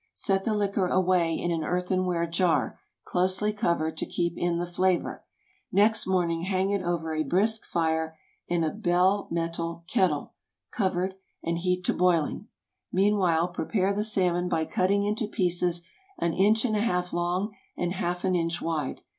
Set the liquor away in an earthenware jar, closely covered, to keep in the flavor. Next morning hang it over a brisk fire in a bell metal kettle (covered), and heat to boiling. Meanwhile, prepare the salmon by cutting into pieces an inch and a half long and half an inch wide.